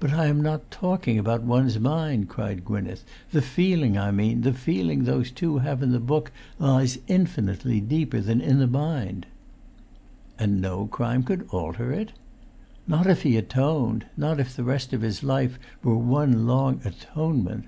"But I am not talking about one's mind," cried Gwynneth; "the feeling I mean, the feeling those two have in the book, lies infinitely deeper than the mind." "And no crime could alter it?" "Not if he atoned—not if the rest of his life were one long atonement."